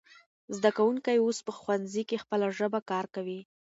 زده کوونکی اوس په ښوونځي کې خپله ژبه کارکوي.